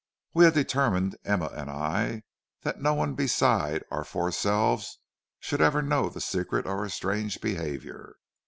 "We had determined, Emma and I, that no one beside our four selves should ever know the secret of our strange behavior.